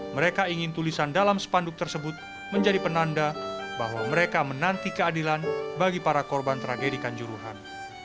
mereka ingin tulisan dalam sepanduk tersebut menjadi penanda bahwa mereka menanti keadilan bagi para korban tragedi kanjuruhan